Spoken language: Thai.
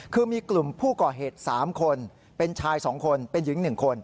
คือมีกลุ่มผู้ก่อเหตุ๓คนเป็นชาย๒คนเป็นหญิง๑คน